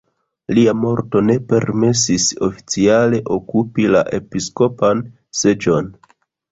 Lia morto ne permesis oficiale okupi la episkopan seĝon.